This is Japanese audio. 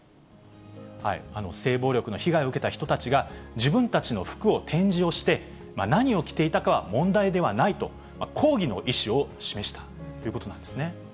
性暴力の被害を受けた人たちが、自分たちの服を展示をして、何を着ていたかは問題ではないと、抗議の意思を示したということなんですね。